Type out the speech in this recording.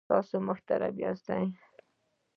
تاسې محترم یاست.